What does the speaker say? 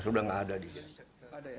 sudah nggak ada di gadget